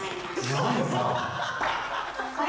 何さ？